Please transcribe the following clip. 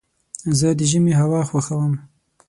زه د ژمي هوا خوښوم.